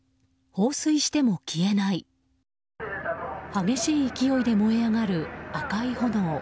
激しい勢いで燃え上がる赤い炎。